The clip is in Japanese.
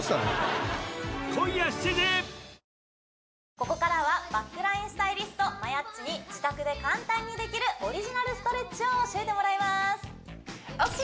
ここからはバックラインスタイリストマヤっちに自宅で簡単にできるオリジナルストレッチを教えてもらいますＯＫ！